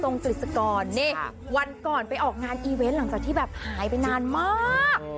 ตรงตริศกรวันก่อนไปออกงานอีเวนต์หลังจากที่หายไปนานมาก